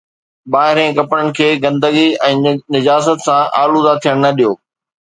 ٻاهرين ڪپڙن کي گندگي ۽ نجاست سان آلوده ٿيڻ نه ڏيو.